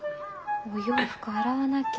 お洋服洗わなきゃ。